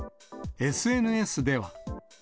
ＳＮＳでは。